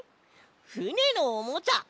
ふねのおもちゃ！